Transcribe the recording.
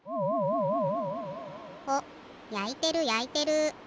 やいてるやいてる。